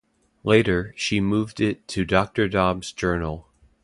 Later, she moved it to "Doctor Dobb's Journal".